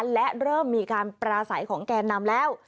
และเริ่มมีการปราศัยของแกนนำแล้ว